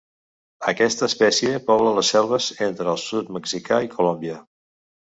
Aquesta espècie pobla les selves entre el sud mexicà i Colòmbia.